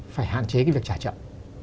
phải hạn chế cái việc trả chậm